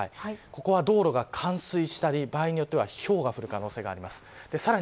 ここは道路が冠水したり場合によっては、ひょうが降る可能性があります。